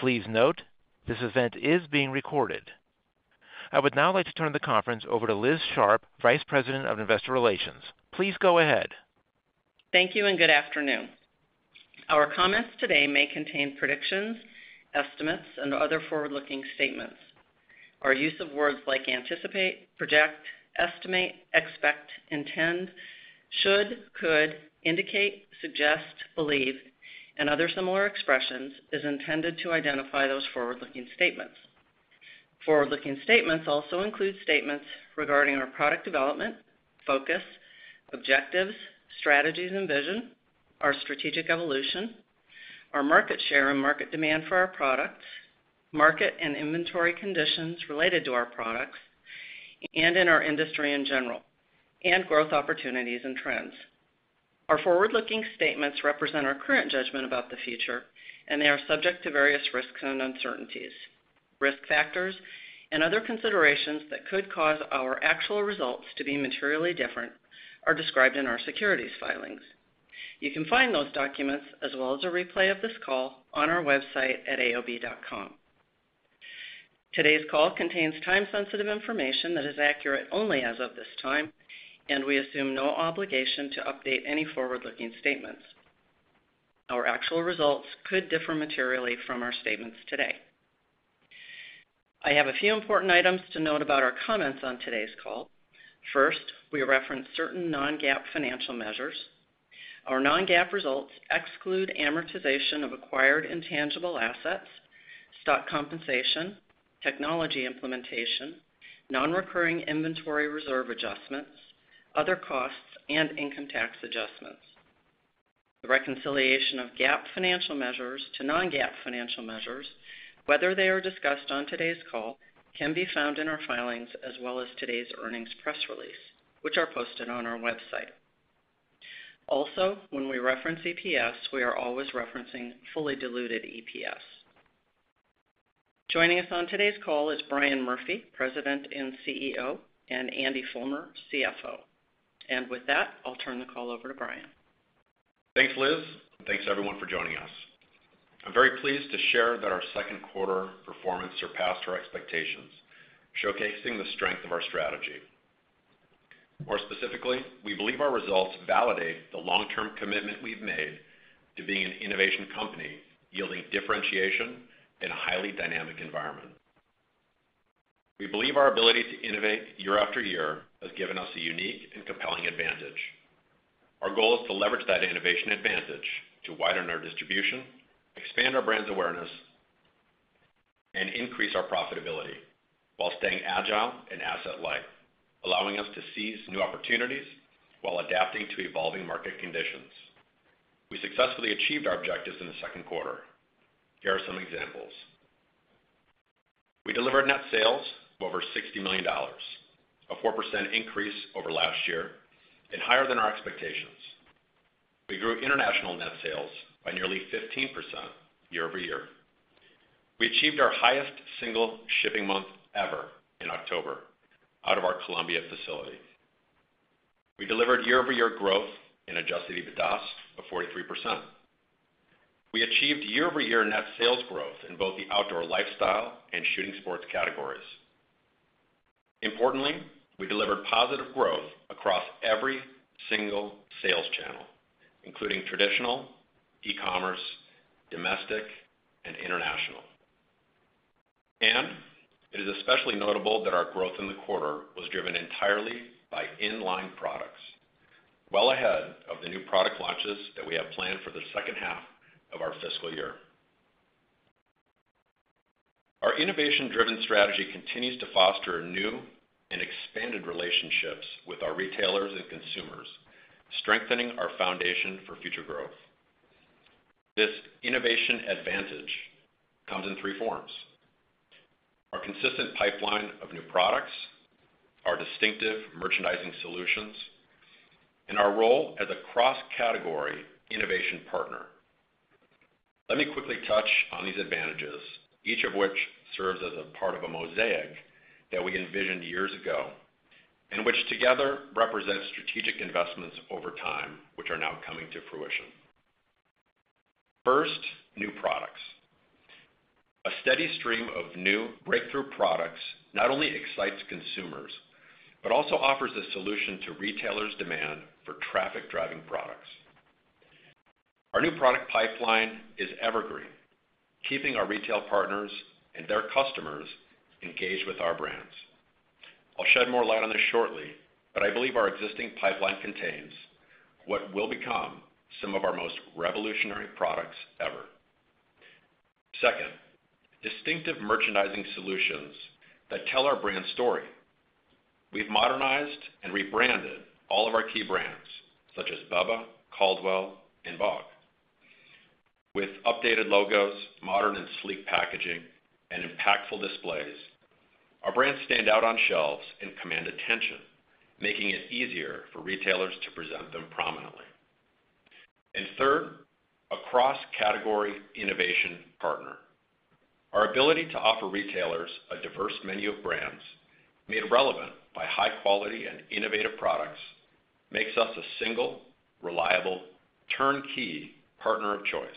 Please note, this event is being recorded. I would now like to turn the conference over to Liz Sharp, Vice President of Investor Relations. Please go ahead. Thank you, and good afternoon. Our comments today may contain predictions, estimates, and other forward-looking statements. Our use of words like anticipate, project, estimate, expect, intend, should, could, indicate, suggest, believe, and other similar expressions is intended to identify those forward-looking statements. Forward-looking statements also include statements regarding our product development, focus, objectives, strategies, and vision, our strategic evolution, our market share and market demand for our products, market and inventory conditions related to our products, and in our industry in general, and growth opportunities and trends. Our forward-looking statements represent our current judgment about the future, and they are subject to various risks and uncertainties. Risk factors and other considerations that could cause our actual results to be materially different are described in our securities filings. You can find those documents, as well as a replay of this call, on our website at aob.com. Today's call contains time-sensitive information that is accurate only as of this time, and we assume no obligation to update any forward-looking statements. Our actual results could differ materially from our statements today. I have a few important items to note about our comments on today's call. First, we reference certain non-GAAP financial measures. Our non-GAAP results exclude amortization of acquired intangible assets, stock compensation, technology implementation, non-recurring inventory reserve adjustments, other costs, and income tax adjustments. The reconciliation of GAAP financial measures to non-GAAP financial measures, whether they are discussed on today's call, can be found in our filings as well as today's earnings press release, which are posted on our website. Also, when we reference EPS, we are always referencing fully diluted EPS. Joining us on today's call is Brian Murphy, President and CEO, and Andy Fulmer, CFO. And with that, I'll turn the call over to Brian. Thanks, Liz. Thanks, everyone, for joining us. I'm very pleased to share that our second quarter performance surpassed our expectations, showcasing the strength of our strategy. More specifically, we believe our results validate the long-term commitment we've made to being an innovation company yielding differentiation in a highly dynamic environment. We believe our ability to innovate year after year has given us a unique and compelling advantage. Our goal is to leverage that innovation advantage to widen our distribution, expand our brand's awareness, and increase our profitability while staying agile and asset-light, allowing us to seize new opportunities while adapting to evolving market conditions. We successfully achieved our objectives in the second quarter. Here are some examples. We delivered net sales of over $60 million, a 4% increase over last year, and higher than our expectations. We grew international net sales by nearly 15% year-over-year. We achieved our highest single shipping month ever in October out of our Columbia facility. We delivered year-over-year growth in Adjusted EBITDA of 43%. We achieved year-over-year net sales growth in both the outdoor lifestyle and shooting sports categories. Importantly, we delivered positive growth across every single sales channel, including traditional, e-commerce, domestic, and international, and it is especially notable that our growth in the quarter was driven entirely by inline products, well ahead of the new product launches that we have planned for the second half of our fiscal year. Our innovation-driven strategy continues to foster new and expanded relationships with our retailers and consumers, strengthening our foundation for future growth. This innovation advantage comes in three forms: our consistent pipeline of new products, our distinctive merchandising solutions, and our role as a cross-category innovation partner. Let me quickly touch on these advantages, each of which serves as a part of a mosaic that we envisioned years ago and which together represent strategic investments over time, which are now coming to fruition. First, new products. A steady stream of new breakthrough products not only excites consumers but also offers a solution to retailers' demand for traffic-driving products. Our new product pipeline is evergreen, keeping our retail partners and their customers engaged with our brands. I'll shed more light on this shortly, but I believe our existing pipeline contains what will become some of our most revolutionary products ever. Second, distinctive merchandising solutions that tell our brand story. We've modernized and rebranded all of our key brands, such as Bubba, Caldwell, and BOG. With updated logos, modern and sleek packaging, and impactful displays, our brands stand out on shelves and command attention, making it easier for retailers to present them prominently, and third, a cross-category innovation partner. Our ability to offer retailers a diverse menu of brands made relevant by high-quality and innovative products makes us a single, reliable, turnkey partner of choice.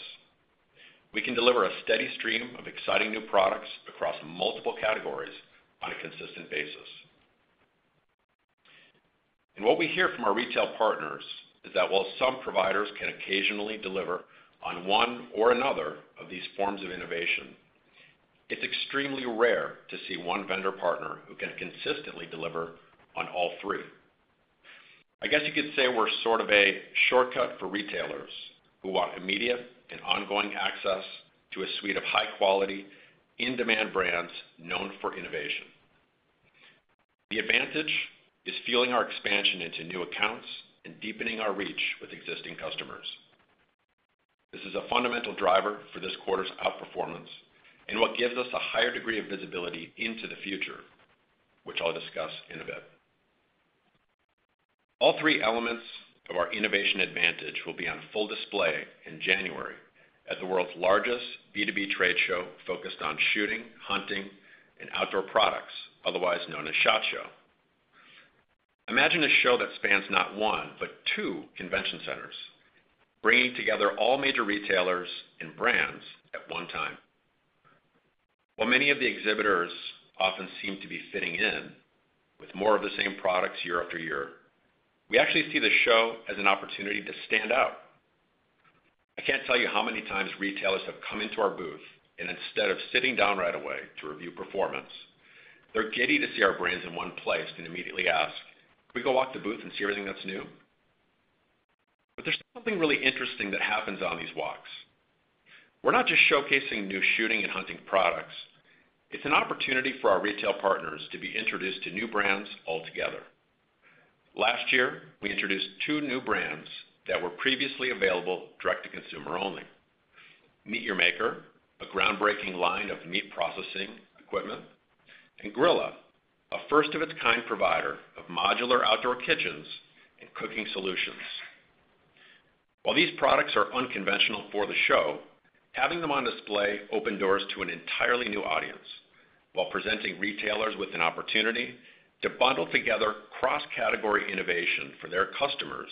We can deliver a steady stream of exciting new products across multiple categories on a consistent basis, and what we hear from our retail partners is that while some providers can occasionally deliver on one or another of these forms of innovation, it's extremely rare to see one vendor partner who can consistently deliver on all three. I guess you could say we're sort of a shortcut for retailers who want immediate and ongoing access to a suite of high-quality, in-demand brands known for innovation. The advantage is fueling our expansion into new accounts and deepening our reach with existing customers. This is a fundamental driver for this quarter's outperformance and what gives us a higher degree of visibility into the future, which I'll discuss in a bit. All three elements of our innovation advantage will be on full display in January at the world's largest B2B trade show focused on shooting, hunting, and outdoor products, otherwise known as SHOT Show. Imagine a show that spans not one but two convention centers, bringing together all major retailers and brands at one time. While many of the exhibitors often seem to be fitting in with more of the same products year after year, we actually see the show as an opportunity to stand out. I can't tell you how many times retailers have come into our booth, and instead of sitting down right away to review performance, they're giddy to see our brands in one place and immediately ask, "Could we go walk the booth and see everything that's new?" But there's something really interesting that happens on these walks. We're not just showcasing new shooting and hunting products. It's an opportunity for our retail partners to be introduced to new brands altogether. Last year, we introduced two new brands that were previously available direct-to-consumer only: Meat Your Maker, a groundbreaking line of meat processing equipment, and Grilla, a first-of-its-kind provider of modular outdoor kitchens and cooking solutions. While these products are unconventional for the show, having them on display opened doors to an entirely new audience while presenting retailers with an opportunity to bundle together cross-category innovation for their customers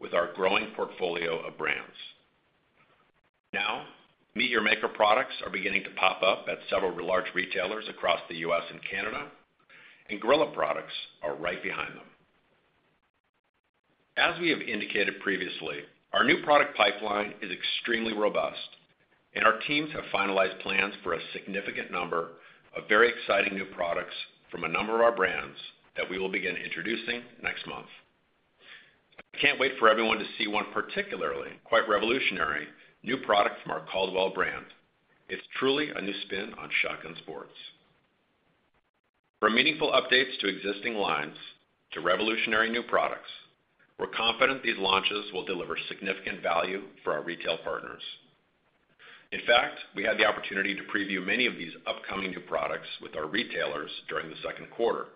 with our growing portfolio of brands. Now, Meet Your Maker products are beginning to pop up at several large retailers across the U.S. and Canada, and Grilla products are right behind them. As we have indicated previously, our new product pipeline is extremely robust, and our teams have finalized plans for a significant number of very exciting new products from a number of our brands that we will begin introducing next month. I can't wait for everyone to see one particularly quite revolutionary new product from our Caldwell brand. It's truly a new spin on shotgun sports. From meaningful updates to existing lines to revolutionary new products, we're confident these launches will deliver significant value for our retail partners. In fact, we had the opportunity to preview many of these upcoming new products with our retailers during the second quarter,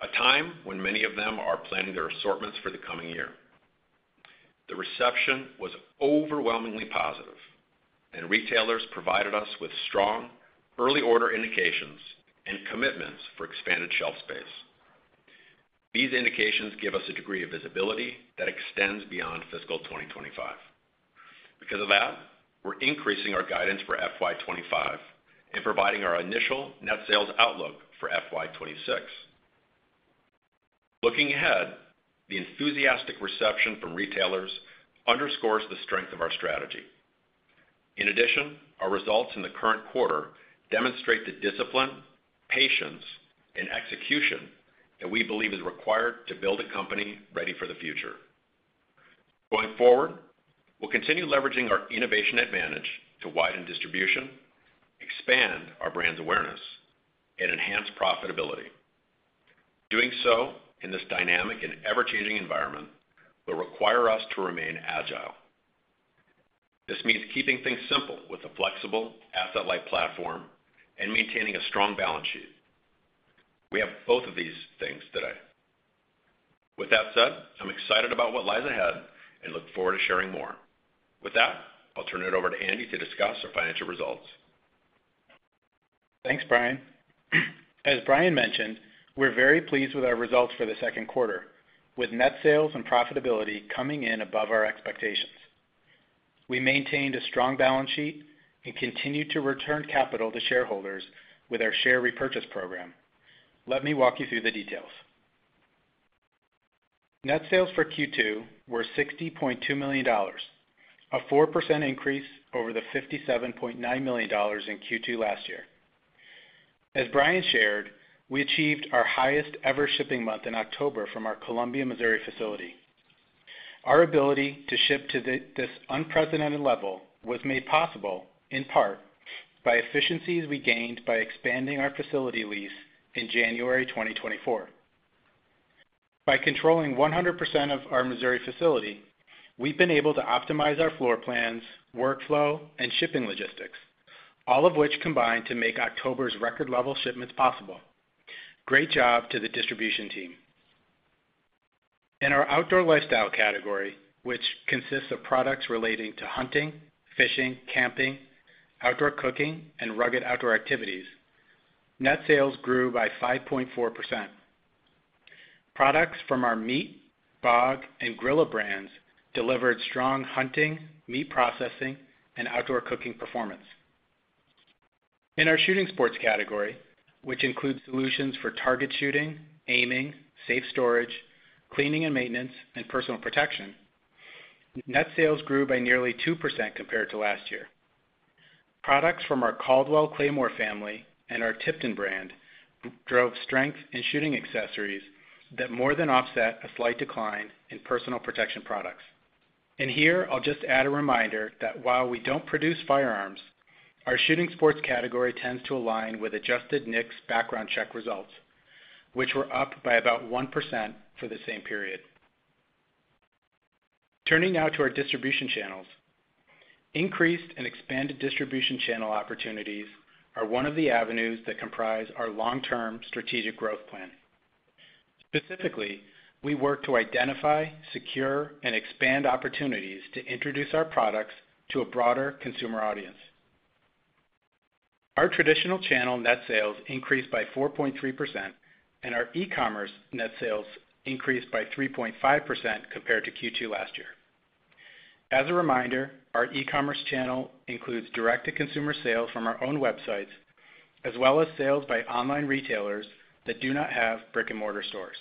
a time when many of them are planning their assortments for the coming year. The reception was overwhelmingly positive, and retailers provided us with strong early-order indications and commitments for expanded shelf space. These indications give us a degree of visibility that extends beyond fiscal 2025. Because of that, we're increasing our guidance for FY 2025 and providing our initial net sales outlook for FY 2026. Looking ahead, the enthusiastic reception from retailers underscores the strength of our strategy. In addition, our results in the current quarter demonstrate the discipline, patience, and execution that we believe is required to build a company ready for the future. Going forward, we'll continue leveraging our innovation advantage to widen distribution, expand our brand's awareness, and enhance profitability. Doing so in this dynamic and ever-changing environment will require us to remain agile. This means keeping things simple with a flexible, asset-light platform and maintaining a strong balance sheet. We have both of these things today. With that said, I'm excited about what lies ahead and look forward to sharing more. With that, I'll turn it over to Andy to discuss our financial results. Thanks, Brian. As Brian mentioned, we're very pleased with our results for the second quarter, with net sales and profitability coming in above our expectations. We maintained a strong balance sheet and continued to return capital to shareholders with our share repurchase program. Let me walk you through the details. Net sales for Q2 were $60.2 million, a 4% increase over the $57.9 million in Q2 last year. As Brian shared, we achieved our highest-ever shipping month in October from our Columbia, Missouri facility. Our ability to ship to this unprecedented level was made possible, in part, by efficiencies we gained by expanding our facility lease in January 2024. By controlling 100% of our Missouri facility, we've been able to optimize our floor plans, workflow, and shipping logistics, all of which combined to make October's record-level shipments possible. Great job to the distribution team. In our outdoor lifestyle category, which consists of products relating to hunting, fishing, camping, outdoor cooking, and rugged outdoor activities, net sales grew by 5.4%. Products from our MEAT, BOG, and Grilla brands delivered strong hunting, meat processing, and outdoor cooking performance. In our shooting sports category, which includes solutions for target shooting, aiming, safe storage, cleaning and maintenance, and personal protection, net sales grew by nearly 2% compared to last year. Products from our Caldwell Claymore family and our Tipton brand drove strength in shooting accessories that more than offset a slight decline in personal protection products. And here, I'll just add a reminder that while we don't produce firearms, our shooting sports category tends to align with adjusted NICS background check results, which were up by about 1% for the same period. Turning now to our distribution channels, increased and expanded distribution channel opportunities are one of the avenues that comprise our long-term strategic growth plan. Specifically, we work to identify, secure, and expand opportunities to introduce our products to a broader consumer audience. Our traditional channel net sales increased by 4.3%, and our e-commerce net sales increased by 3.5% compared to Q2 last year. As a reminder, our e-commerce channel includes direct-to-consumer sales from our own websites, as well as sales by online retailers that do not have brick-and-mortar stores.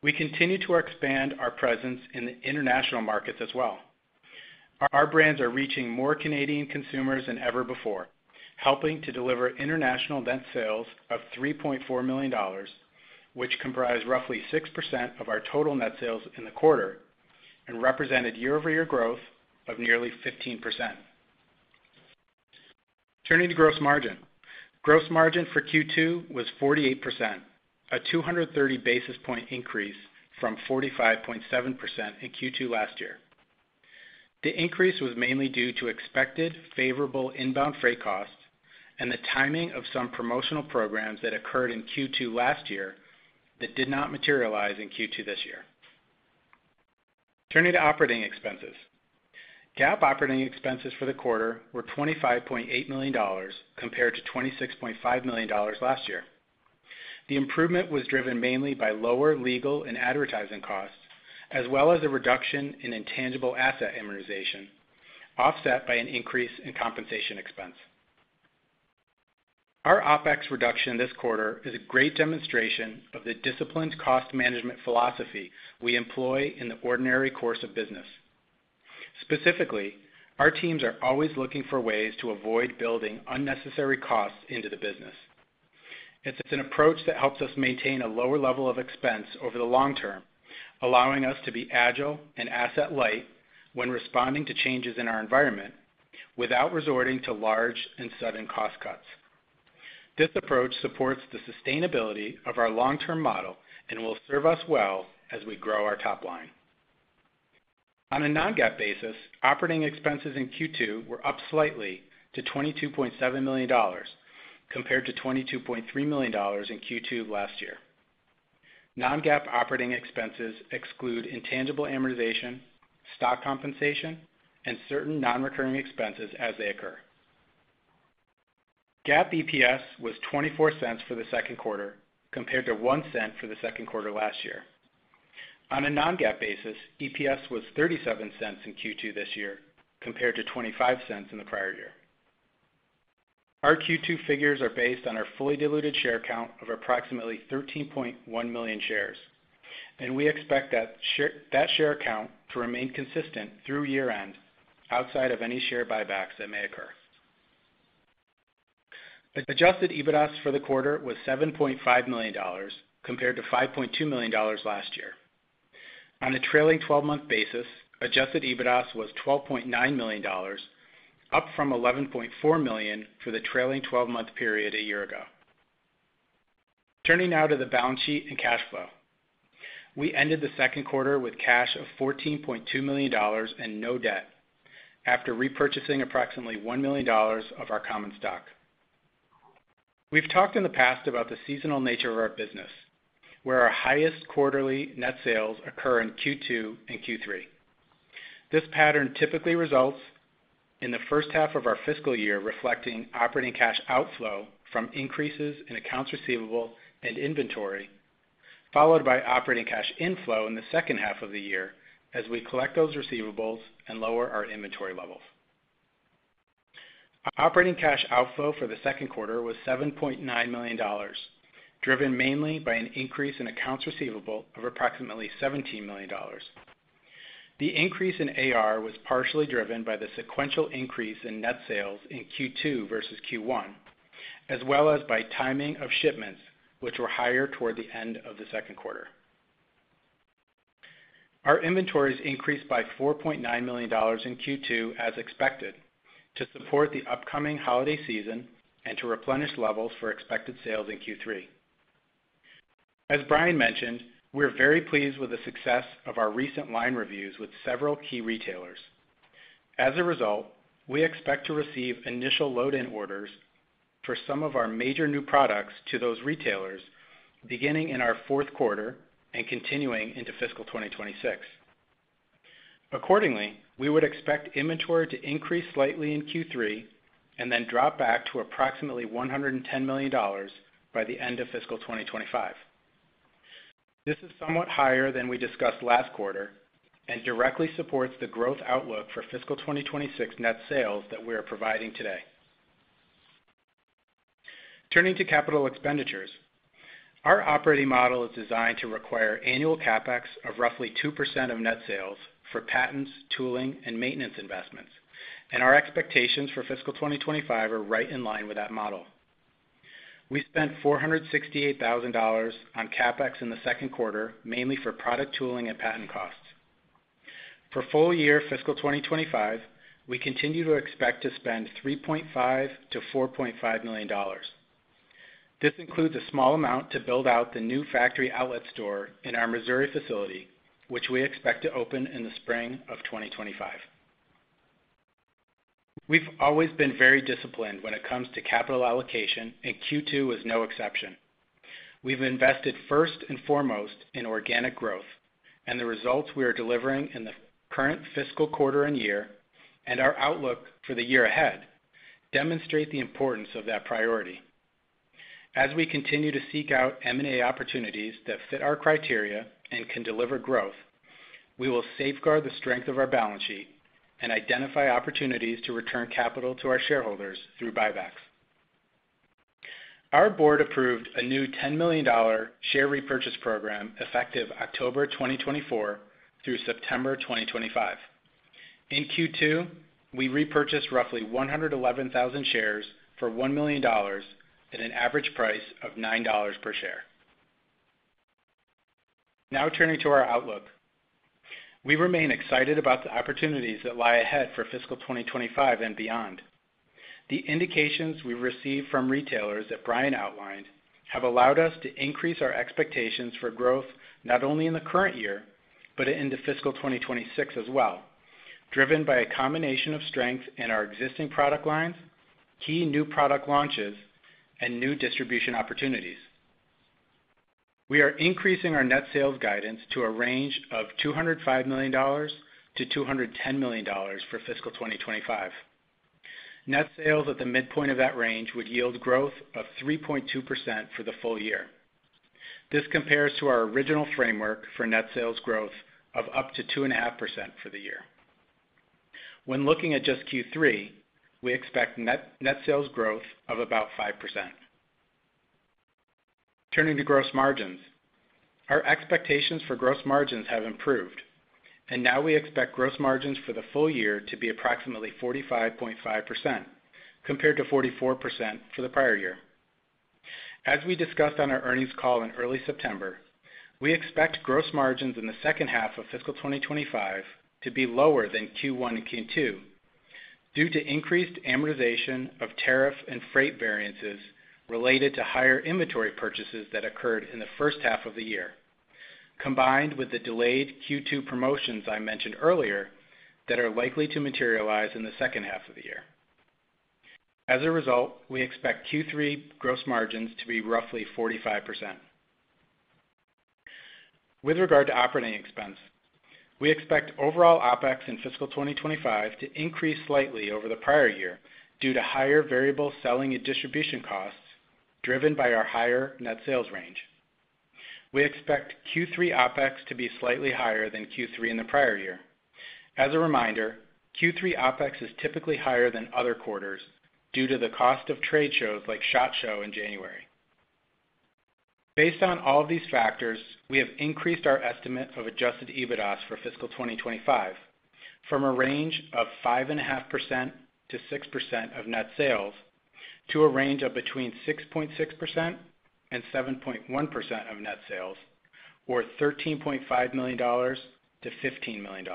We continue to expand our presence in the international markets as well. Our brands are reaching more Canadian consumers than ever before, helping to deliver international net sales of $3.4 million, which comprised roughly 6% of our total net sales in the quarter and represented year-over-year growth of nearly 15%. Turning to gross margin. Gross margin for Q2 was 48%, a 230 basis point increase from 45.7% in Q2 last year. The increase was mainly due to expected favorable inbound freight costs and the timing of some promotional programs that occurred in Q2 last year that did not materialize in Q2 this year. Turning to operating expenses. GAAP operating expenses for the quarter were $25.8 million compared to $26.5 million last year. The improvement was driven mainly by lower legal and advertising costs, as well as a reduction in intangible asset amortization, offset by an increase in compensation expense. Our OpEx reduction this quarter is a great demonstration of the disciplined cost management philosophy we employ in the ordinary course of business. Specifically, our teams are always looking for ways to avoid building unnecessary costs into the business. It's an approach that helps us maintain a lower level of expense over the long term, allowing us to be agile and asset-light when responding to changes in our environment without resorting to large and sudden cost cuts. This approach supports the sustainability of our long-term model and will serve us well as we grow our top line. On a non-GAAP basis, operating expenses in Q2 were up slightly to $22.7 million compared to $22.3 million in Q2 last year. Non-GAAP operating expenses exclude intangible amortization, stock compensation, and certain non-recurring expenses as they occur. GAAP EPS was $0.24 for the second quarter compared to $0.01 for the second quarter last year. On a non-GAAP basis, EPS was $0.37 in Q2 this year compared to $0.25 in the prior year. Our Q2 figures are based on our fully diluted share count of approximately 13.1 million shares, and we expect that share count to remain consistent through year-end outside of any share buybacks that may occur. Adjusted EBITDA for the quarter was $7.5 million compared to $5.2 million last year. On a trailing 12-month basis, Adjusted EBITDA was $12.9 million, up from $11.4 million for the trailing 12-month period a year ago. Turning now to the balance sheet and cash flow. We ended the second quarter with cash of $14.2 million and no debt after repurchasing approximately $1 million of our common stock. We've talked in the past about the seasonal nature of our business, where our highest quarterly net sales occur in Q2 and Q3. This pattern typically results in the first half of our fiscal year reflecting operating cash outflow from increases in accounts receivable and inventory, followed by operating cash inflow in the second half of the year as we collect those receivables and lower our inventory levels. Operating cash outflow for the second quarter was $7.9 million, driven mainly by an increase in accounts receivable of approximately $17 million. The increase in AR was partially driven by the sequential increase in net sales in Q2 versus Q1, as well as by timing of shipments, which were higher toward the end of the second quarter. Our inventories increased by $4.9 million in Q2 as expected to support the upcoming holiday season and to replenish levels for expected sales in Q3. As Brian mentioned, we're very pleased with the success of our recent line reviews with several key retailers. As a result, we expect to receive initial load-in orders for some of our major new products to those retailers beginning in our fourth quarter and continuing into fiscal 2026. Accordingly, we would expect inventory to increase slightly in Q3 and then drop back to approximately $110 million by the end of fiscal 2025. This is somewhat higher than we discussed last quarter and directly supports the growth outlook for fiscal 2026 net sales that we are providing today. Turning to capital expenditures, our operating model is designed to require annual CapEx of roughly 2% of net sales for patents, tooling, and maintenance investments, and our expectations for fiscal 2025 are right in line with that model. We spent $468,000 on CapEx in the second quarter, mainly for product tooling and patent costs. For full year fiscal 2025, we continue to expect to spend $3.5 million-$4.5 million. This includes a small amount to build out the new factory outlet store in our Missouri facility, which we expect to open in the spring of 2025. We've always been very disciplined when it comes to capital allocation, and Q2 was no exception. We've invested first and foremost in organic growth, and the results we are delivering in the current fiscal quarter and year and our outlook for the year ahead demonstrate the importance of that priority. As we continue to seek out M&A opportunities that fit our criteria and can deliver growth, we will safeguard the strength of our balance sheet and identify opportunities to return capital to our shareholders through buybacks. Our board approved a new $10 million share repurchase program effective October 2024 through September 2025. In Q2, we repurchased roughly 111,000 shares for $1 million at an average price of $9 per share. Now turning to our outlook, we remain excited about the opportunities that lie ahead for fiscal 2025 and beyond. The indications we've received from retailers that Brian outlined have allowed us to increase our expectations for growth not only in the current year but into fiscal 2026 as well, driven by a combination of strength in our existing product lines, key new product launches, and new distribution opportunities. We are increasing our net sales guidance to a range of $205 million-$210 million for fiscal 2025. Net sales at the midpoint of that range would yield growth of 3.2% for the full year. This compares to our original framework for net sales growth of up to 2.5% for the year. When looking at just Q3, we expect net sales growth of about 5%. Turning to gross margins, our expectations for gross margins have improved, and now we expect gross margins for the full year to be approximately 45.5% compared to 44% for the prior year. As we discussed on our earnings call in early September, we expect gross margins in the second half of fiscal 2025 to be lower than Q1 and Q2 due to increased amortization of tariff and freight variances related to higher inventory purchases that occurred in the first half of the year, combined with the delayed Q2 promotions I mentioned earlier that are likely to materialize in the second half of the year. As a result, we expect Q3 gross margins to be roughly 45%. With regard to operating expense, we expect overall OpEx in fiscal 2025 to increase slightly over the prior year due to higher variable selling and distribution costs driven by our higher net sales range. We expect Q3 OpEx to be slightly higher than Q3 in the prior year. As a reminder, Q3 OpEx is typically higher than other quarters due to the cost of trade shows like SHOT Show in January. Based on all of these factors, we have increased our estimate of Adjusted EBITDA for fiscal 2025 from a range of 5.5%-6% of net sales to a range of between 6.6% and 7.1% of net sales, or $13.5 million-$15 million.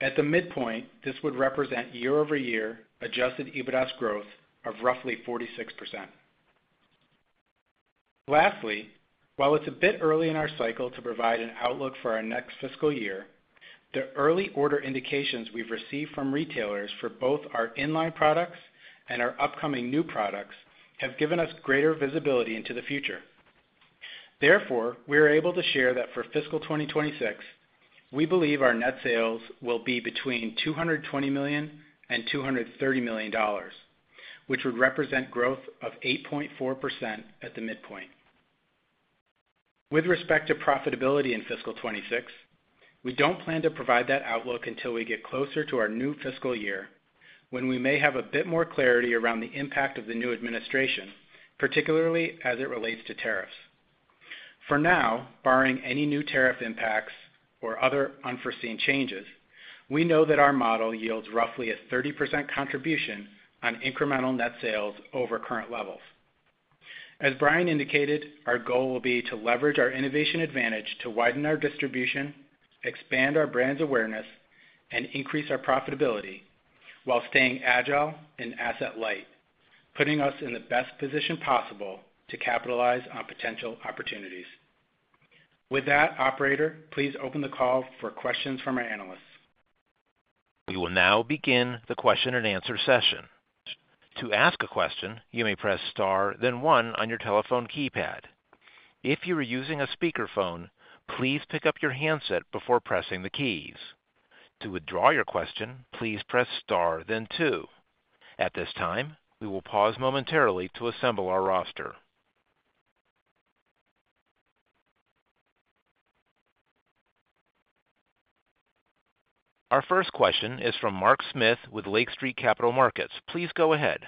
At the midpoint, this would represent year-over-year Adjusted EBITDA growth of roughly 46%. Lastly, while it's a bit early in our cycle to provide an outlook for our next fiscal year, the early order indications we've received from retailers for both our inline products and our upcoming new products have given us greater visibility into the future. Therefore, we are able to share that for fiscal 2026, we believe our net sales will be between $220 million and $230 million, which would represent growth of 8.4% at the midpoint. With respect to profitability in fiscal 2026, we don't plan to provide that outlook until we get closer to our new fiscal year, when we may have a bit more clarity around the impact of the new administration, particularly as it relates to tariffs. For now, barring any new tariff impacts or other unforeseen changes, we know that our model yields roughly a 30% contribution on incremental net sales over current levels. As Brian indicated, our goal will be to leverage our innovation advantage to widen our distribution, expand our brand's awareness, and increase our profitability while staying agile and asset-light, putting us in the best position possible to capitalize on potential opportunities. With that, Operator, please open the call for questions from our analysts. We will now begin the question-and-answer session. To ask a question, you may press star, then one on your telephone keypad. If you are using a speakerphone, please pick up your handset before pressing the keys. To withdraw your question, please press star, then two. At this time, we will pause momentarily to assemble our roster. Our first question is from Mark Smith with Lake Street Capital Markets. Please go ahead.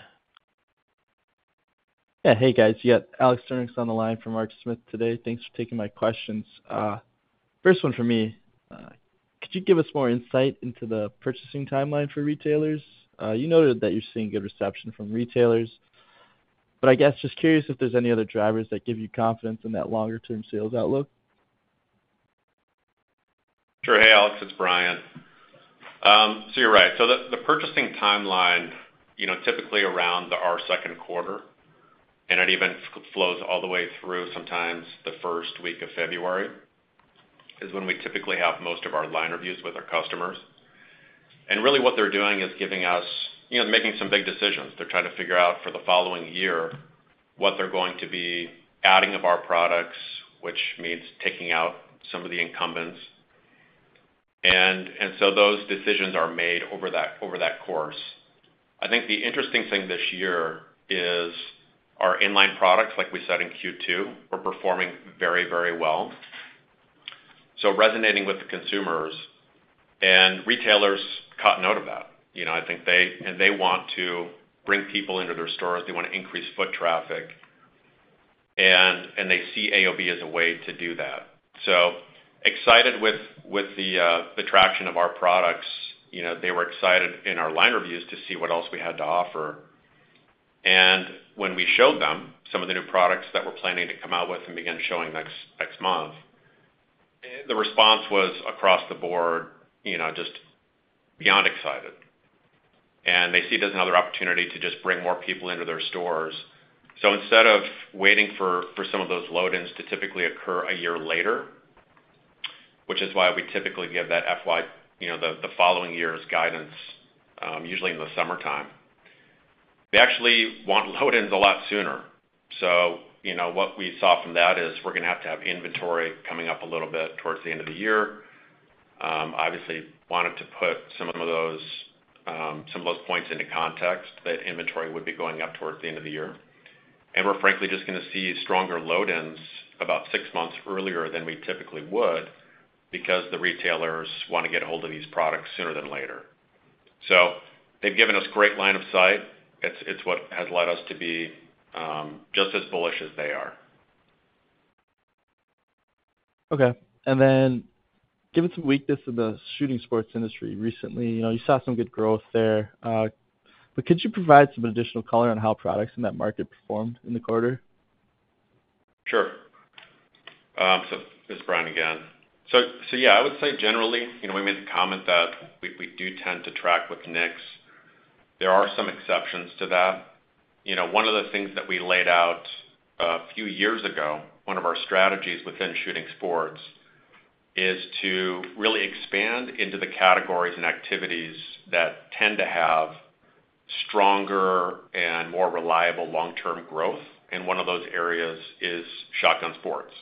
Yeah, hey, guys. Yeah, Alex Sturnieks on the line for Mark Smith today. Thanks for taking my questions. First one for me, could you give us more insight into the purchasing timeline for retailers? You noted that you're seeing good reception from retailers, but I guess just curious if there's any other drivers that give you confidence in that longer-term sales outlook. Sure. Hey, Alex, it's Brian. So you're right. So the purchasing timeline typically around our second quarter, and it even flows all the way through sometimes the first week of February is when we typically have most of our line reviews with our customers. And really what they're doing is giving us, making some big decisions. They're trying to figure out for the following year what they're going to be adding of our products, which means taking out some of the incumbents. And so those decisions are made over that course. I think the interesting thing this year is our inline products, like we said in Q2, are performing very, very well. So resonating with the consumers, and retailers caught note of that. I think they want to bring people into their stores. They want to increase foot traffic, and they see AOB as a way to do that. So excited with the traction of our products. They were excited in our line reviews to see what else we had to offer. And when we showed them some of the new products that we're planning to come out with and begin showing next month, the response was across the board just beyond excited. And they see it as another opportunity to just bring more people into their stores. So instead of waiting for some of those load-ins to typically occur a year later, which is why we typically give that FY, the following year's guidance, usually in the summertime, they actually want load-ins a lot sooner. So what we saw from that is we're going to have to have inventory coming up a little bit towards the end of the year. Obviously, wanted to put some of those points into context that inventory would be going up towards the end of the year. And we're frankly just going to see stronger load-ins about six months earlier than we typically would because the retailers want to get a hold of these products sooner than later. So they've given us great line of sight. It's what has led us to be just as bullish as they are. Okay. And then given some weakness in the shooting sports industry recently, you saw some good growth there. But could you provide some additional color on how products in that market performed in the quarter? Sure. So this is Brian again. So yeah, I would say generally, we made the comment that we do tend to track with NICS. There are some exceptions to that. One of the things that we laid out a few years ago, one of our strategies within shooting sports, is to really expand into the categories and activities that tend to have stronger and more reliable long-term growth, and one of those areas is shotgun sports.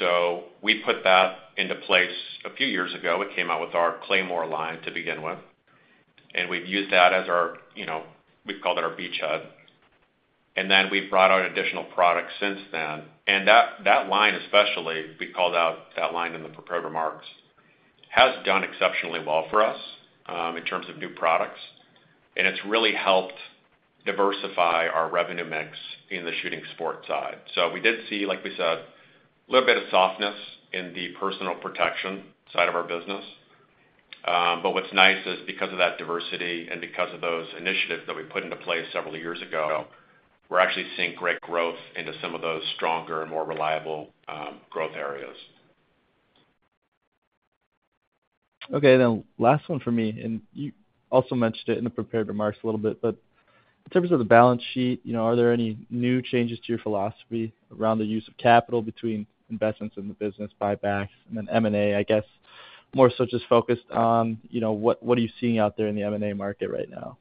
So we put that into place a few years ago. It came out with our Claymore line to begin with, and we've used that as our beachhead, which we've called our beachhead. Then we've brought out additional products since then, and that line, especially, which we called out in the prepared remarks, has done exceptionally well for us in terms of new products. It's really helped diversify our revenue mix in the shooting sports side, so we did see, like we said, a little bit of softness in the personal protection side of our business. But what's nice is because of that diversity and because of those initiatives that we put into place several years ago, we're actually seeing great growth into some of those stronger and more reliable growth areas. Okay. Then last one for me. And you also mentioned it in the prepared remarks a little bit, but in terms of the balance sheet, are there any new changes to your philosophy around the use of capital between investments in the business, buybacks, and then M&A? I guess more so just focused on what are you seeing out there in the M&A market right now?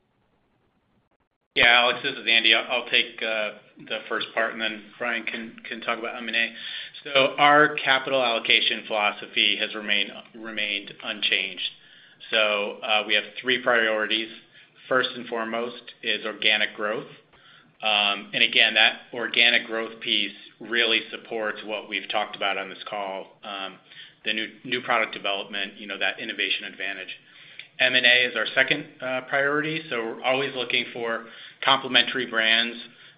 Yeah, Alex, this is Andy. I'll take the first part, and then Brian can talk about M&A. So our capital allocation philosophy has remained unchanged. So we have three priorities. First and foremost is organic growth. And again, that organic growth piece really supports what we've talked about on this call, the new product development, that innovation advantage. M&A is our second priority. So we're always looking for complementary brands,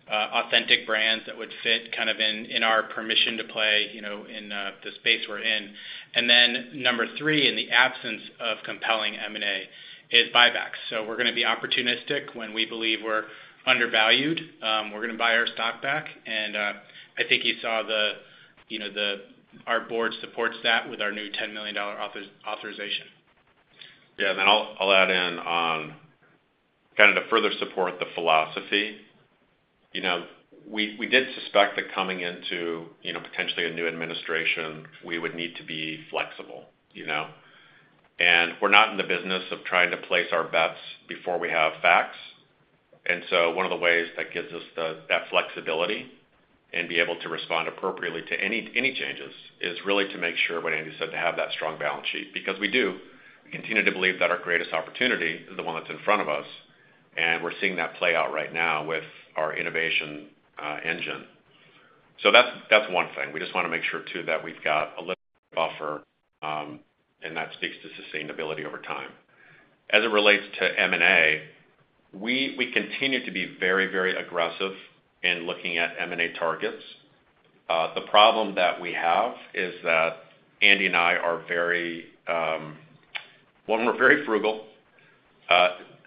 authentic brands that would fit kind of in our permission to play in the space we're in. And then number three, in the absence of compelling M&A, is buybacks. So we're going to be opportunistic when we believe we're undervalued. We're going to buy our stock back. And I think you saw our board supports that with our new $10 million authorization. Yeah. And then I'll add in on kind of to further support the philosophy. We did suspect that coming into potentially a new administration, we would need to be flexible. And we're not in the business of trying to place our bets before we have facts. One of the ways that gives us that flexibility and to be able to respond appropriately to any changes is really to make sure, what Andy said, to have that strong balance sheet. Because we do continue to believe that our greatest opportunity is the one that's in front of us. And we're seeing that play out right now with our innovation engine. So that's one thing. We just want to make sure, too, that we've got a little bit of buffer, and that speaks to sustainability over time. As it relates to M&A, we continue to be very, very aggressive in looking at M&A targets. The problem that we have is that Andy and I are very one, we're very frugal.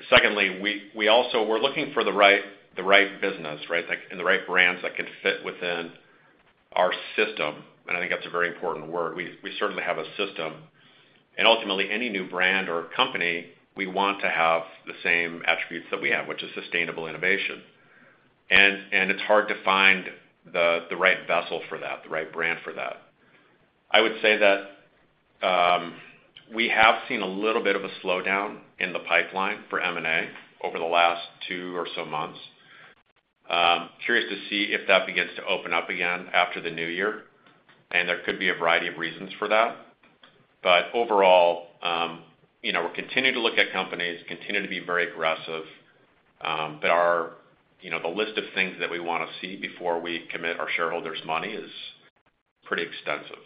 Secondly, we're looking for the right business, right, and the right brands that can fit within our system. And I think that's a very important word. We certainly have a system, and ultimately, any new brand or company, we want to have the same attributes that we have, which is sustainable innovation, and it's hard to find the right vessel for that, the right brand for that. I would say that we have seen a little bit of a slowdown in the pipeline for M&A over the last two or so months. Curious to see if that begins to open up again after the new year, and there could be a variety of reasons for that, but overall, we're continuing to look at companies, continue to be very aggressive, but the list of things that we want to see before we commit our shareholders' money is pretty extensive, so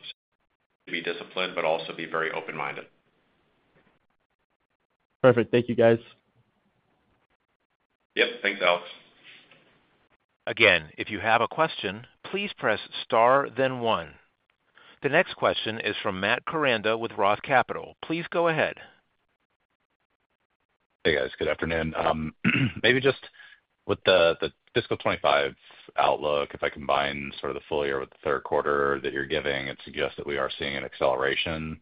we need to be disciplined, but also be very open-minded. Perfect. Thank you, guys. Yep. Thanks, Alex. Again, if you have a question, please press star, then one. The next question is from Matt Koranda with Roth Capital. Please go ahead. Hey, guys. Good afternoon. Maybe just with the fiscal 2025 outlook, if I combine sort of the full year with the third quarter that you're giving, it suggests that we are seeing an acceleration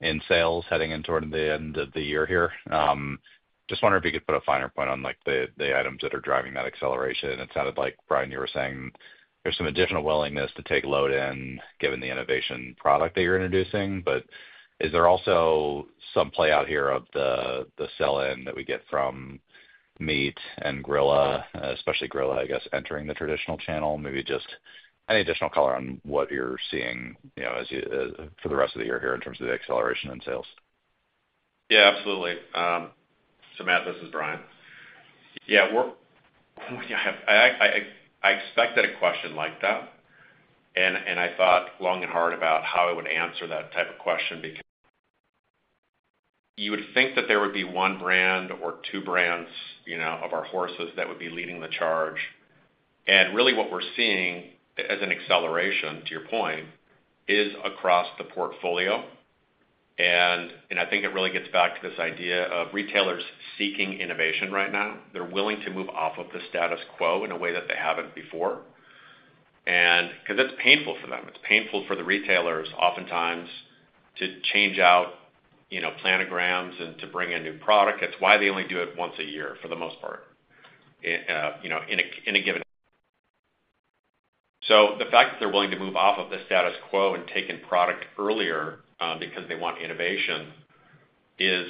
in sales heading in toward the end of the year here. Just wondering if you could put a finer point on the items that are driving that acceleration. It sounded like, Brian, you were saying there's some additional willingness to take load-in given the innovation product that you're introducing. But is there also some play out here of the sell-in that we get from MEAT! and Grilla, especially Grilla, I guess, entering the traditional channel? Maybe just any additional color on what you're seeing for the rest of the year here in terms of the acceleration in sales? Yeah, absolutely. So Matt, this is Brian. Yeah. I expected a question like that, and I thought long and hard about how I would answer that type of question because you would think that there would be one brand or two brands of our house that would be leading the charge, and really what we're seeing as an acceleration, to your point, is across the portfolio. And I think it really gets back to this idea of retailers seeking innovation right now. They're willing to move off of the status quo in a way that they haven't before, and because it's painful for them, it's painful for the retailers, oftentimes, to change out planograms and to bring in new products. It's why they only do it once a year for the most part in a given so the fact that they're willing to move off of the status quo and take in product earlier because they want innovation is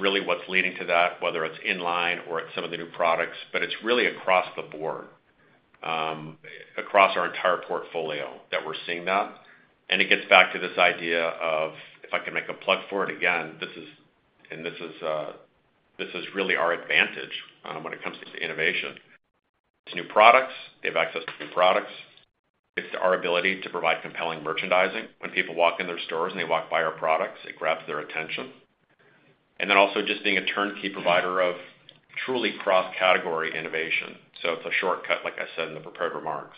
really what's leading to that, whether it's in line or it's some of the new products. But it's really across the board, across our entire portfolio that we're seeing that. And it gets back to this idea of, if I can make a plug for it again, and this is really our advantage when it comes to innovation. It's new products. They have access to new products. It's our ability to provide compelling merchandising. When people walk in their stores and they walk by our products, it grabs their attention. And then also just being a turnkey provider of truly cross-category innovation. So it's a shortcut, like I said in the prepared remarks.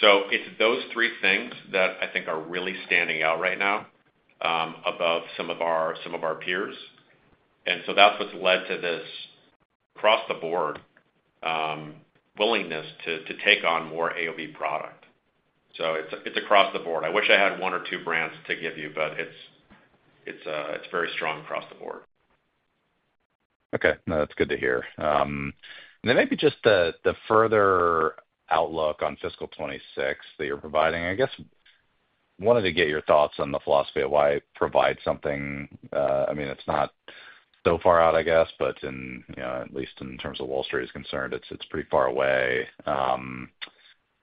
So it's those three things that I think are really standing out right now above some of our peers. And so that's what's led to this across-the-board willingness to take on more AOB product. So it's across the board. I wish I had one or two brands to give you, but it's very strong across the board. Okay. No, that's good to hear. And then maybe just the further outlook on fiscal 2026 that you're providing. I guess wanted to get your thoughts on the philosophy of why provide something. I mean, it's not so far out, I guess, but at least in terms of Wall Street is concerned, it's pretty far away. And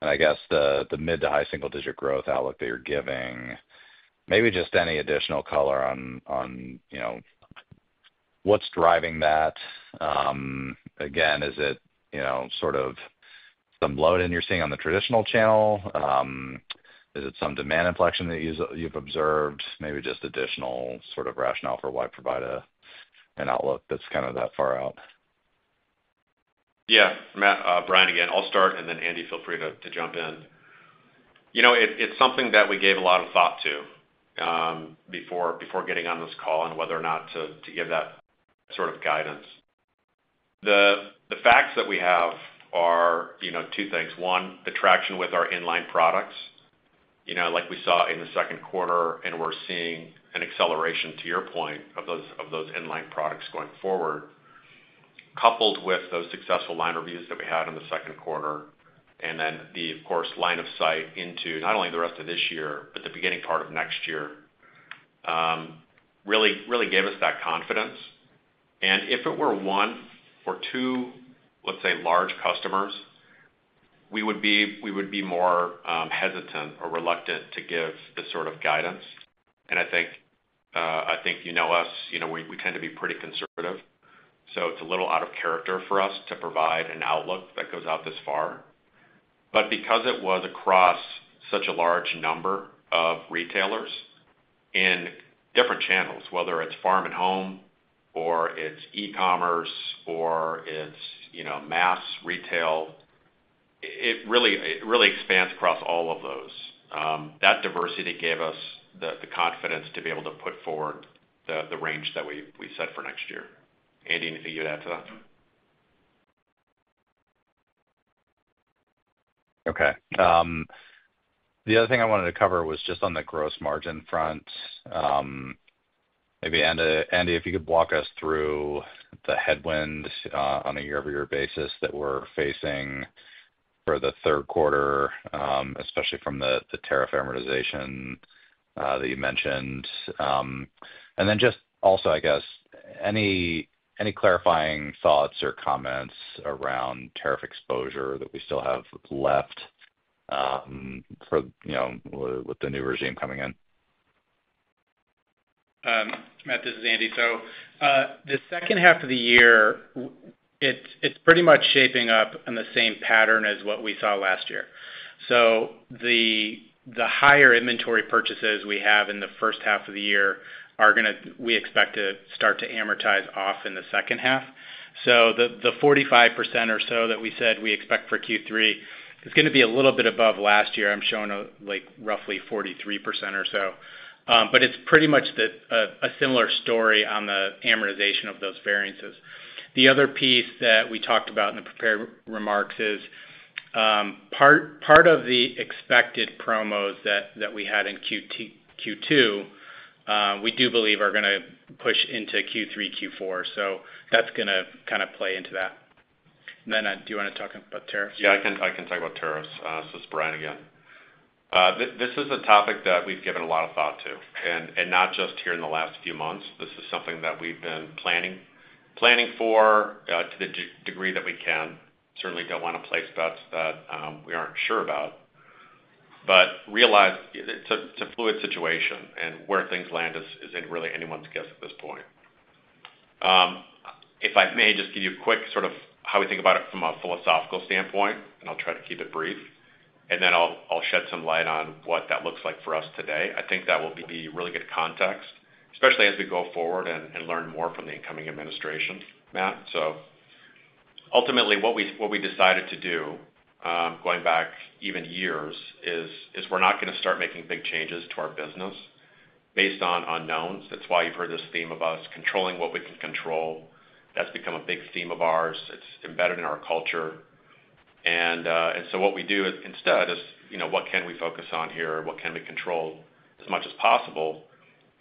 I guess the mid- to high single-digit growth outlook that you're giving, maybe just any additional color on what's driving that. Again, is it sort of some load-in you're seeing on the traditional channel? Is it some demand inflection that you've observed? Maybe just additional sort of rationale for why provide an outlook that's kind of that far out? Yeah. Brian, again, I'll start, and then Andy, feel free to jump in. It's something that we gave a lot of thought to before getting on this call and whether or not to give that sort of guidance. The facts that we have are two things. One, the traction with our inline products. Like we saw in the second quarter, and we're seeing an acceleration, to your point, of those inline products going forward, coupled with those successful line reviews that we had in the second quarter. And then, of course, line of sight into not only the rest of this year, but the beginning part of next year really gave us that confidence. If it were one or two, let's say, large customers, we would be more hesitant or reluctant to give this sort of guidance. I think you know us. We tend to be pretty conservative. So it's a little out of character for us to provide an outlook that goes out this far. But because it was across such a large number of retailers in different channels, whether it's farm and home or it's e-commerce or it's mass retail, it really expands across all of those. That diversity gave us the confidence to be able to put forward the range that we set for next year. Andy, anything you would add to that? Okay. The other thing I wanted to cover was just on the gross margin front. Maybe Andy, if you could walk us through the headwinds on a year-over-year basis that we're facing for the third quarter, especially from the tariff amortization that you mentioned. And then just also, I guess, any clarifying thoughts or comments around tariff exposure that we still have left with the new regime coming in? Matt, this is Andy. So the second half of the year, it's pretty much shaping up in the same pattern as what we saw last year. So the higher inventory purchases we have in the first half of the year are going to we expect to start to amortize off in the second half. So the 45% or so that we said we expect for Q3 is going to be a little bit above last year. I'm showing roughly 43% or so. But it's pretty much a similar story on the amortization of those variances. The other piece that we talked about in the prepared remarks is part of the expected promos that we had in Q2, we do believe are going to push into Q3, Q4. So that's going to kind of play into that. And then do you want to talk about tariffs? Yeah, I can talk about tariffs. This is Brian again. This is a topic that we've given a lot of thought to. And not just here in the last few months. This is something that we've been planning for to the degree that we can. Certainly don't want to place bets that we aren't sure about. But realize it's a fluid situation, and where things land is really anyone's guess at this point. If I may just give you a quick sort of how we think about it from a philosophical standpoint, and I'll try to keep it brief, and then I'll shed some light on what that looks like for us today. I think that will be really good context, especially as we go forward and learn more from the incoming administration, Matt, so ultimately, what we decided to do going back even years is we're not going to start making big changes to our business based on unknowns. That's why you've heard this theme of us controlling what we can control. That's become a big theme of ours. It's embedded in our culture, and so what we do instead is, what can we focus on here? What can we control as much as possible,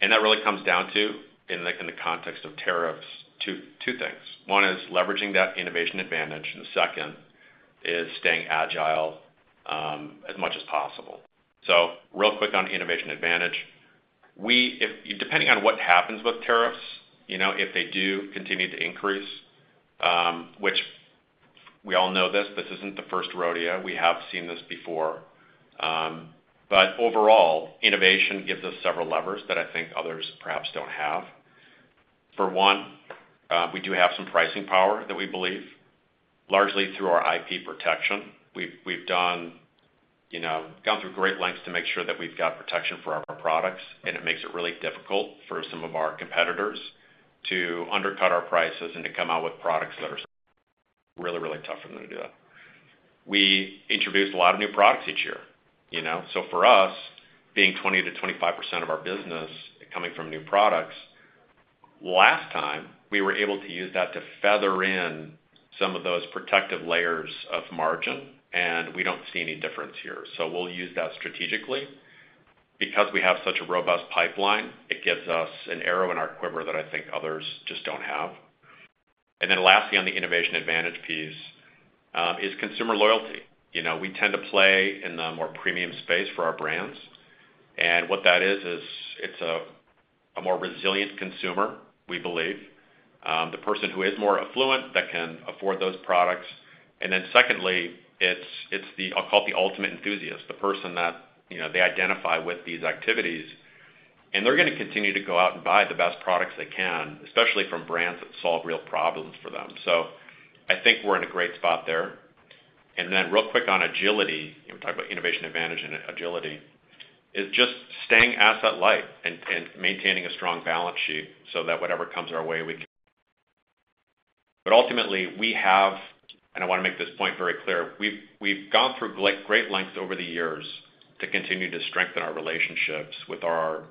and that really comes down to, in the context of tariffs, two things. One is leveraging that innovation advantage. And the second is staying agile as much as possible. So real quick on innovation advantage. Depending on what happens with tariffs, if they do continue to increase, which we all know this, this isn't the first rodeo. We have seen this before. But overall, innovation gives us several levers that I think others perhaps don't have. For one, we do have some pricing power that we believe, largely through our IP protection. We've gone through great lengths to make sure that we've got protection for our products. And it makes it really difficult for some of our competitors to undercut our prices and to come out with products that are really, really tough for them to do that. We introduced a lot of new products each year. So for us, being 20%-25% of our business coming from new products, last time, we were able to use that to feather in some of those protective layers of margin. And we don't see any difference here. So we'll use that strategically. Because we have such a robust pipeline, it gives us an arrow in our quiver that I think others just don't have. And then lastly, on the innovation advantage piece is consumer loyalty. We tend to play in the more premium space for our brands. And what that is, is it's a more resilient consumer, we believe. The person who is more affluent that can afford those products. And then secondly, it's the, I'll call it the ultimate enthusiast, the person that they identify with these activities. And they're going to continue to go out and buy the best products they can, especially from brands that solve real problems for them. So I think we're in a great spot there. And then real quick on agility, we talk about innovation advantage and agility, is just staying asset-light and maintaining a strong balance sheet so that whatever comes our way, we can. But ultimately, we have, and I want to make this point very clear, we've gone through great lengths over the years to continue to strengthen our relationships with our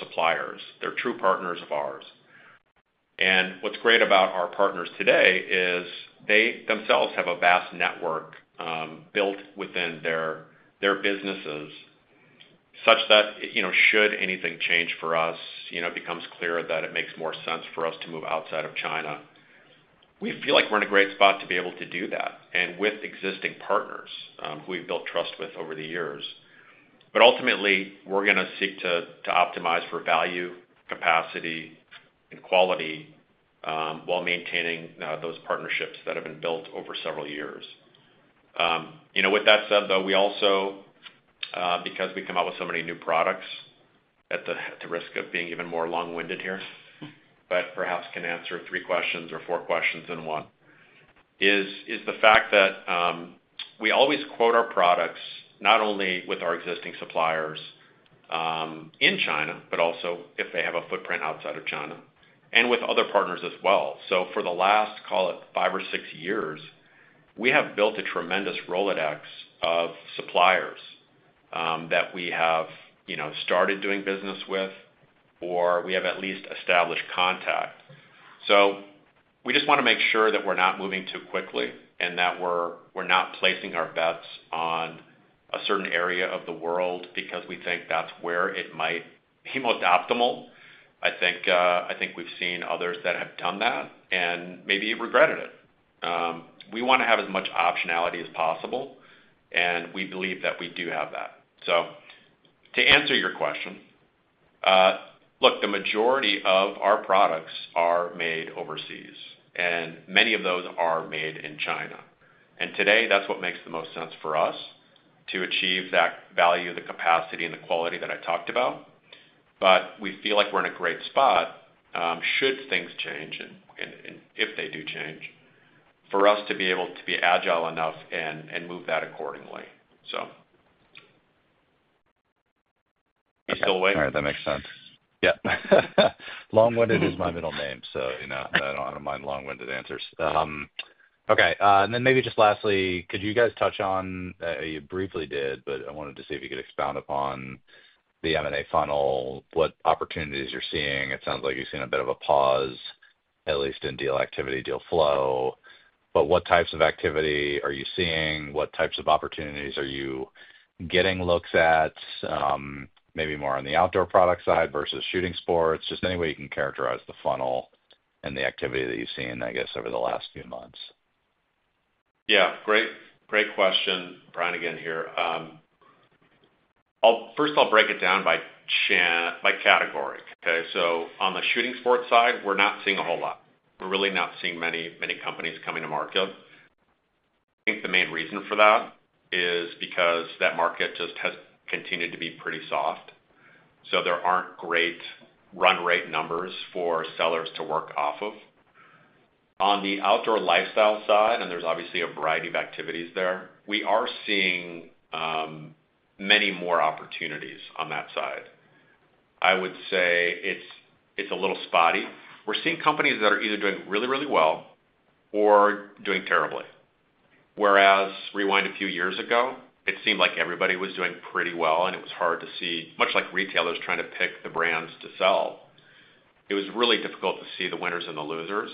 suppliers. They're true partners of ours. And what's great about our partners today is they themselves have a vast network built within their businesses such that should anything change for us, it becomes clear that it makes more sense for us to move outside of China. We feel like we're in a great spot to be able to do that and with existing partners who we've built trust with over the years. But ultimately, we're going to seek to optimize for value, capacity, and quality while maintaining those partnerships that have been built over several years. With that said, though, we also, because we come out with so many new products at the risk of being even more long-winded here, but perhaps can answer three questions or four questions in one, is the fact that we always quote our products not only with our existing suppliers in China, but also if they have a footprint outside of China and with other partners as well. So for the last, call it, five or six years, we have built a tremendous Rolodex of suppliers that we have started doing business with or we have at least established contact. So we just want to make sure that we're not moving too quickly and that we're not placing our bets on a certain area of the world because we think that's where it might be most optimal. I think we've seen others that have done that and maybe regretted it. We want to have as much optionality as possible, and we believe that we do have that. So to answer your question, look, the majority of our products are made overseas, and many of those are made in China. And today, that's what makes the most sense for us to achieve that value, the capacity, and the quality that I talked about. But we feel like we're in a great spot should things change, and if they do change, for us to be able to be agile enough and move that accordingly. So you still with me? All right. That makes sense. Yep. Long-winded is my middle name, so I don't mind long-winded answers. Okay. And then maybe just lastly, could you guys touch on you briefly did, but I wanted to see if you could expound upon the M&A funnel, what opportunities you're seeing. It sounds like you've seen a bit of a pause, at least in deal activity, deal flow. But what types of activity are you seeing? What types of opportunities are you getting looks at, maybe more on the outdoor product side versus shooting sports? Just any way you can characterize the funnel and the activity that you've seen, I guess, over the last few months. Yeah. Great question. Brian again here. First, I'll break it down by category. Okay. So on the shooting sports side, we're not seeing a whole lot. We're really not seeing many companies coming to market. I think the main reason for that is because that market just has continued to be pretty soft. So there aren't great run rate numbers for sellers to work off of. On the outdoor lifestyle side, and there's obviously a variety of activities there, we are seeing many more opportunities on that side. I would say it's a little spotty. We're seeing companies that are either doing really, really well or doing terribly. Whereas rewind a few years ago, it seemed like everybody was doing pretty well, and it was hard to see, much like retailers trying to pick the brands to sell. It was really difficult to see the winners and the losers.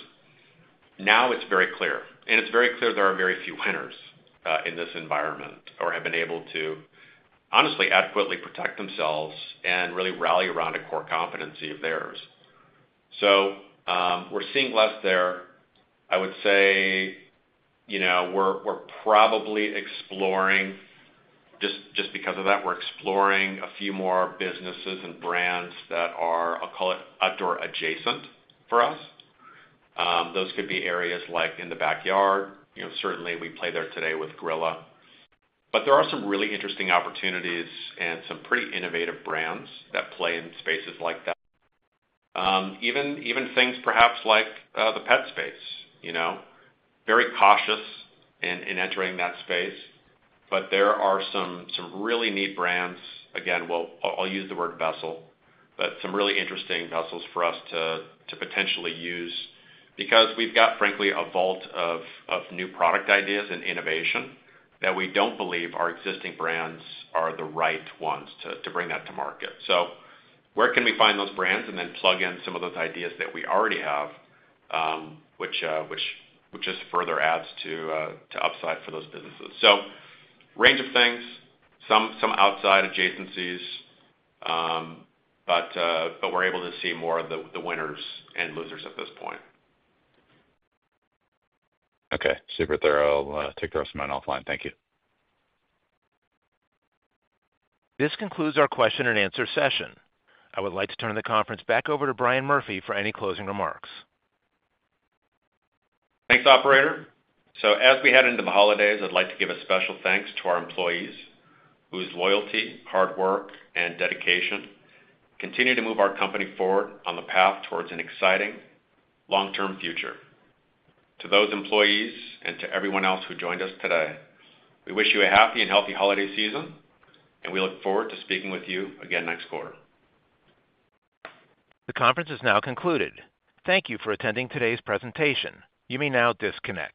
Now it's very clear and it's very clear there are very few winners in this environment or have been able to honestly adequately protect themselves and really rally around a core competency of theirs. We're seeing less there. I would say we're probably exploring just because of that, we're exploring a few more businesses and brands that are, I'll call it, outdoor adjacent for us. Those could be areas like in the backyard. Certainly, we play there today with Grilla. There are some really interesting opportunities and some pretty innovative brands that play in spaces like that. Even things perhaps like the pet space. Very cautious in entering that space. There are some really neat brands. Again, I'll use the word vessel, but some really interesting vessels for us to potentially use because we've got, frankly, a vault of new product ideas and innovation that we don't believe our existing brands are the right ones to bring that to market. So where can we find those brands and then plug in some of those ideas that we already have, which just further adds to upside for those businesses? So range of things, some outside adjacencies, but we're able to see more of the winners and losers at this point. Okay. Super thorough. I'll take the rest of mine offline. Thank you. This concludes our question and answer session. I would like to turn the conference back over to Brian Murphy for any closing remarks. Thanks, operator. So as we head into the holidays, I'd like to give a special thanks to our employees whose loyalty, hard work, and dedication continue to move our company forward on the path towards an exciting long-term future. To those employees and to everyone else who joined us today, we wish you a happy and healthy holiday season, and we look forward to speaking with you again next quarter. The conference is now concluded. Thank you for attending today's presentation. You may now disconnect.